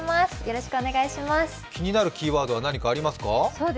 気になるキーワードは何かありますか？